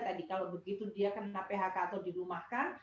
tadi kalau begitu dia kena phk atau dirumahkan